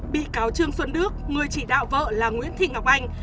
bị cáo trương xuân đức người chỉ đạo vợ là nguyễn thị ngọc anh